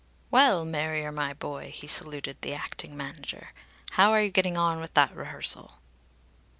"Well, Marrier, my boy," he saluted the acting manager, "how are you getting on with that rehearsal?"